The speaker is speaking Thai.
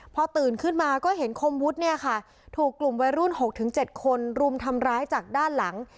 พอตื่นขึ้นมาก็เห็นคมวุฒิเนี่ยค่ะถูกกลุ่มวัยรุ่น๖๗คนรุมทำร้ายจากด้านหลัง